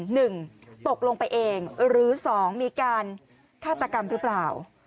หนึ่งตกลงไปเองหรือสองมีการฆาตกรรมหรือเปล่า